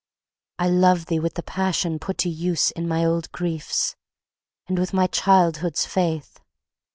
I love thee with the passion put to use In my old griefs, and with my childhood's faith.